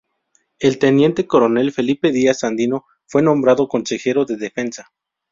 El teniente coronel Felipe Díaz Sandino fue nombrado consejero de defensa.